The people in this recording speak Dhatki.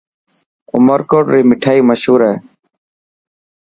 عمرڪوٽ ري مٺائن مشهور هي.